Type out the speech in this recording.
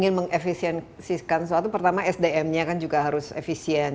nah kalau kita lihat ini kalau ingin mengefisienkan sesuatu pertama sdm nya kan juga harus efisien